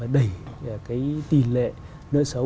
đẩy tỷ lệ nợ xấu